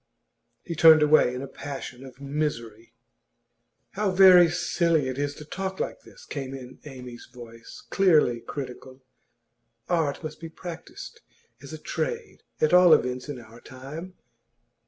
He turned away in a passion of misery. 'How very silly it is to talk like this!' came in Amy's voice, clearly critical. 'Art must be practised as a trade, at all events in our time.